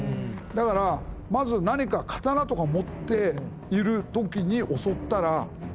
だからまず何か刀とか持っている時に襲ったらこれはやばいと。